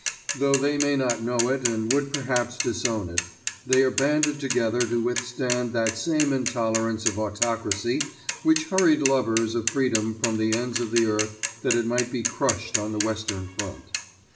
Though they may not know it and would perhaps disown it, they are banded together to withstand that same intolerance of autocracy which hurried lovers of freedom from the ends of the earth that it might be crushed on the Western Front.